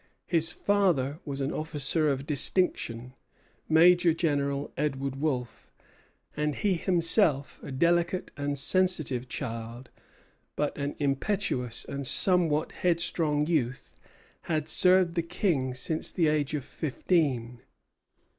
His father was an officer of distinction, Major General Edward Wolfe, and he himself, a delicate and sensitive child, but an impetuous and somewhat headstrong youth, had served the King since the age of fifteen.